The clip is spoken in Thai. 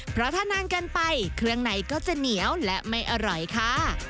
เพราะถ้านานเกินไปเครื่องในก็จะเหนียวและไม่อร่อยค่ะ